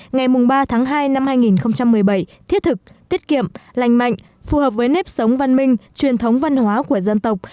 ngày ba tháng hai năm hai nghìn một mươi bảy thiết thực tiết kiệm lành mạnh phù hợp với nếp sống văn minh truyền thống văn hóa của dân tộc